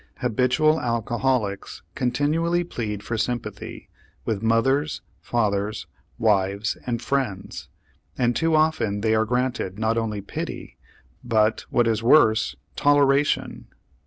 Habitual alcoholics continually plead for sympathy with mothers, fathers, wives, and friends; and too often they are granted not only pity, but, what is worse, toleration.